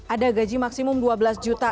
ada gaji maksimum dua belas juta